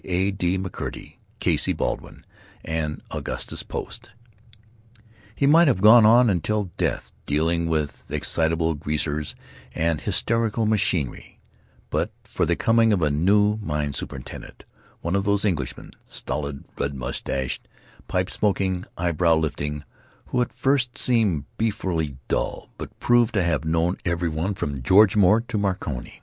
A. D. McCurdy, "Casey" Baldwin, and Augustus Post. He might have gone on until death, dealing with excitable greasers and hysterical machinery, but for the coming of a new mine superintendent—one of those Englishmen, stolid, red mustached, pipe smoking, eye brow lifting, who at first seem beefily dull, but prove to have known every one from George Moore to Marconi.